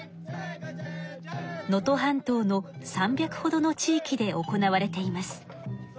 能登半島の３００ほどの地域で行われています。